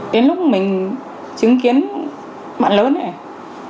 đến lúc mình chứng kiến bạn lớn này